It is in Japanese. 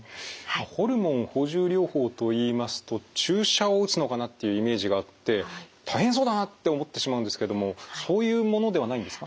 ホルモン補充療法といいますと注射を打つのかなっていうイメージがあって大変そうだなって思ってしまうんですけどもそういうものではないんですか？